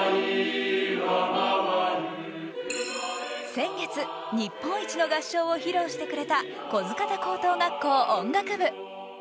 先月、日本一の合唱を披露してくれた不来方高等学校音楽部。